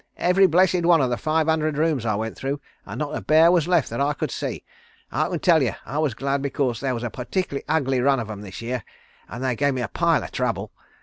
Every blessed one of the five hundred rooms I went through, and not a bear was left that I could see. I can tell you, I was glad, because there was a partickerly ugly run of 'em this year, an' they gave me a pile o' trouble.